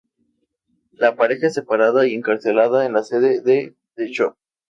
La pareja es separada y encarcelada en la sede de the Shop.